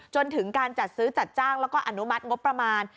จนถึงการจัดซื้อจัดจ้างแล้วก็อนุมัติงบประมาณ